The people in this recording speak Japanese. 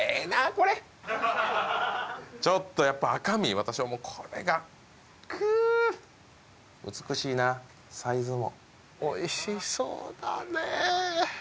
これちょっとやっぱ私はもうこれがくっ美しいなサイズもおいしそうだねえ